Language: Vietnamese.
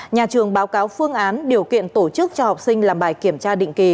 nhà trường báo cáo phương án điều kiện tổ chức cho học sinh làm bài kiểm tra định kỳ